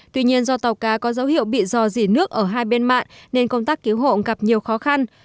tuy nhiên do tàu cá có dấu hiệu bị dò dỉ nước ở hai bên mạng nên công tác cứu hộ gặp nhiều khó khăn